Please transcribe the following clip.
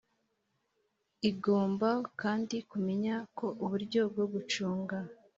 Igomba kandi kumenya ko uburyo bwo gucunga